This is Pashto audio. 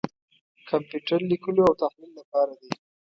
کمپیوټر لیکلو او تحلیل لپاره دی.